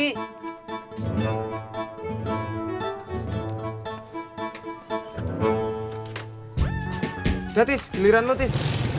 udah tis giliran lo tis